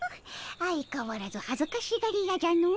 相かわらず恥ずかしがり屋じゃの。